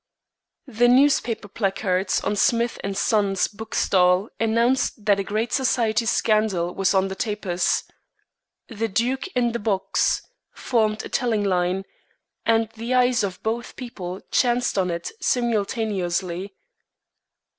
The newspaper placards on Smith & Son's bookstall announced that a "Great Society Scandal" was on the tapis. "The Duke in the Box" formed a telling line, and the eyes of both people chanced on it simultaneously.